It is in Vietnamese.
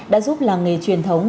đã giúp làng nghề truyền thống